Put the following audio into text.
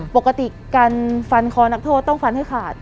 ปกติการฟันคอนักโทษต้องฟันให้ขาด